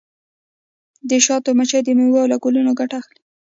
د شاتو مچۍ د میوو له ګلونو ګټه اخلي.